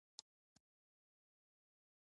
زموږ هېواد ته د اسلام راتګ څرګند تاریخ لري